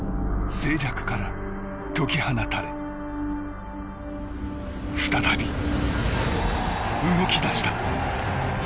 静寂から解き放たれ再び、動き出した。